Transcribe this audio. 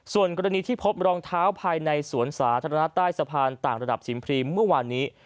ส่วนกรณีที่พบรองเท้าภายในสวนสาธารณะใต้สะพานต่างระดับชิมพรีมเมื่อวานนี้